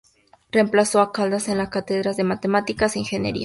Reemplazó a Caldas en las cátedras de Matemáticas e Ingeniería.